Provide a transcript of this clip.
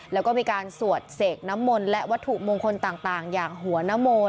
แล้วก็มีการสวดเสกน้ำมนต์และวัตถุมงคลต่างอย่างหัวนโมน